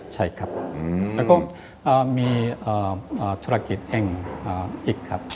ใช่ครับแล้วก็มีธุรกิจแข่งอีกครับ